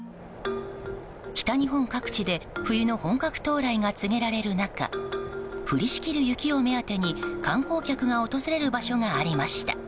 北日本各地で冬の本格到来が告げられる中降りしきる雪を目当てに観光客が訪れる場所がありました。